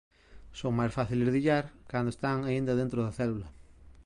Son máis fáciles de illar cando están aínda dentro da célula.